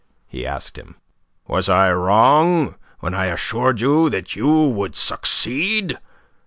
he asked him. "Was I wrong when I assured you that you would succeed?